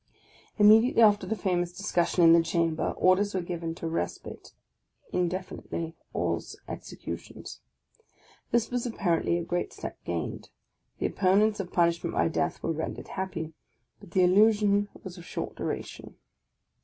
Immediately after the famous discussion in the Chamber, orders were given to respite, indefinitely, all executions. This was apparently a great step gained ; the opponents of punish ment by death were rendered happy; but the illusion was of short duration.